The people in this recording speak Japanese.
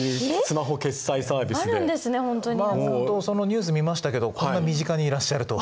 そのニュース見ましたけどこんな身近にいらっしゃるとは。